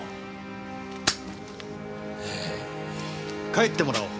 帰ってもらおう。